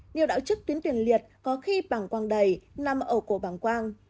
nhiệu đạo trước tuyến tuyển liệt có khi bằng quang đầy nằm ở cổ bằng quang